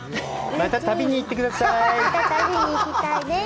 また旅に行きたいです。